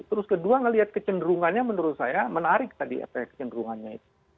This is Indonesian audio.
terus kedua ngelihat kecenderungannya menurut saya menarik tadi efek kecenderungannya itu